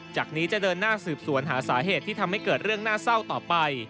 จากนี้จะเดินหน้าสืบสวนหาสาเหตุที่ทำให้เกิดเรื่องน่าเศร้าต่อไป